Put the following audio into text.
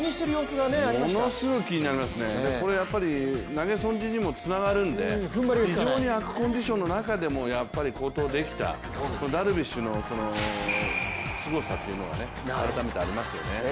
ものすごい気になりますね、投げ損じにもつながるので非常に悪コンディションの中でも好投できたダルビッシュのすごさというのは改めてありますよね。